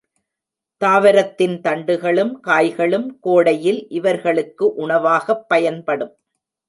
தாவரத்தின் தண்டுகளும் காய்களும் கோடையில் இவர்களுக்கு உணவாகப் பயன்படும்.